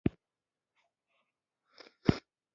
دا تړاو د مینې نه، د ویرې زېږنده دی.